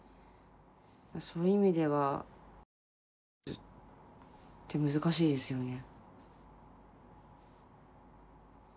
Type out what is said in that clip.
そういう意味では家族って難しいですよね。